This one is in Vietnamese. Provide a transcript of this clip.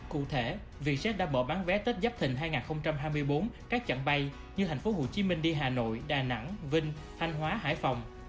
vì vậy vietjet đã mở bán vé tết giáp thình hai nghìn hai mươi bốn các chặng bay như tp hcm đi hà nội đà nẵng vinh thanh hóa hải phòng